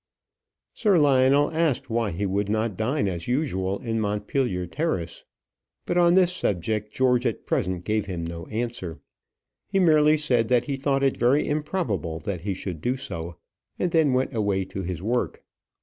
Sir Lionel asked why he would not dine as usual in Montpellier Terrace; but on this subject George at present gave him no answer. He merely said that he thought it very improbable that he should do so, and then went away to his work.